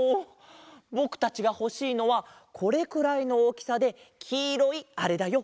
ぼくたちがほしいのはこれくらいのおおきさできいろいあれだよ。